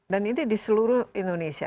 dan ini di seluruh indonesia